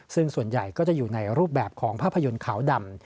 ซึ่งส่วนใหญ่ก็จะอยู่ในรูปแบบของภาพยนตร์ขาวดำ